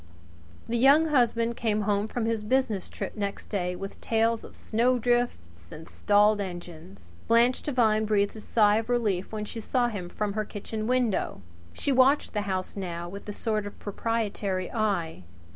The Young Husband came home from his business trip next day with tales of snowdrifts and stalled engines. Blanche Devine breathed a sigh of relief when she saw him from her kitchen window. She watched the house now with a sort of proprietary eye.